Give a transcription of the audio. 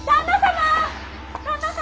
旦那様！